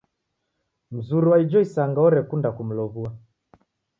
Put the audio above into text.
Mzuri wa ijo isanga orekunda kumlow'ua.